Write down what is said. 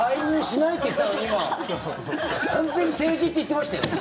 普通に政治って言ってましたよね。